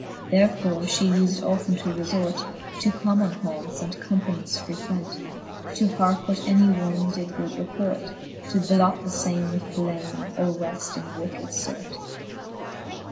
Therefore fhe ufed often to refort To common haunts, and companies frequent. To hearke what any one did good report. To blot the fame with blame, or wreft in wicked fort.